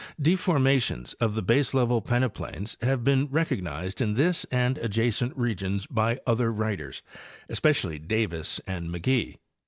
Deformations of the baselevel peneplains have been recognized in this and adjacent regions by other writers, especially Davis and McGee.